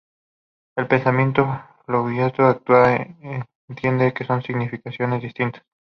El pensamiento freudiano actual entiende que son significaciones distintas.